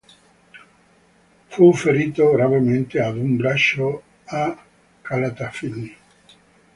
Fu ferito gravemente ad un braccio a Calatafimi.